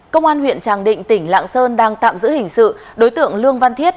công an huyện tràng định tỉnh lạng sơn đang tạm giữ hình sự đối tượng lương văn thiết